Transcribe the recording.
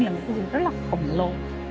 là một vụ rất là khổng lồ